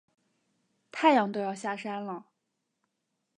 太阳都要下山了